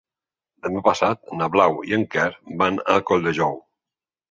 Demà passat na Blau i en Quer van a Colldejou.